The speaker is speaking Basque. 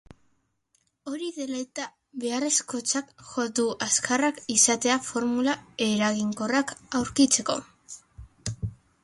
Hori dela eta, beharrezkotzat jo du azkarrak izatea formula eraginkorrak aurkitzeko.